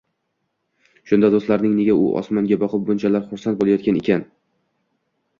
Shunda do‘stlaring, nega u osmonga boqib bunchalar xursand bo‘layotgan ekan